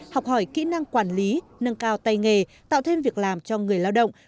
học hỏi kỹ năng quản lý nâng cao tay nghề tạo thêm việc làm cho người lao động